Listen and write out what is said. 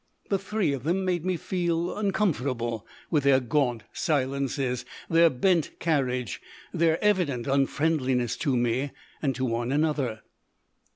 The three of them made me feel uncomfortable, with their gaunt silences, their bent carriage, their evident unfriendliness to me and to one another.